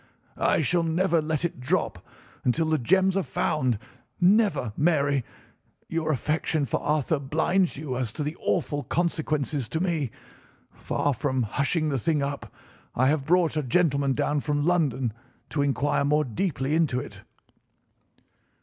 "I shall never let it drop until the gems are found—never, Mary! Your affection for Arthur blinds you as to the awful consequences to me. Far from hushing the thing up, I have brought a gentleman down from London to inquire more deeply into it."